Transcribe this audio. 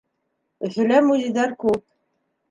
Өфөлә музейҙар күп.